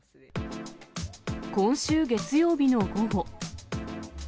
今週月曜日の午後。